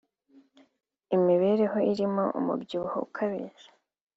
imibereho irimo umubyibuho ukabije